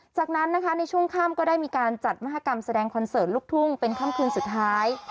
จากนั้นนะคะในช่วงค่ำก็ได้มีการจัดมหากรรมแสดงคอนเสิร์ตลูกทุ่งเป็นค่ำคืนสุดท้าย